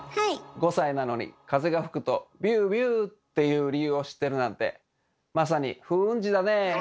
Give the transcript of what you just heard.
５歳なのに風が吹くと「ビュービュー」っていう理由を知ってるなんてあら。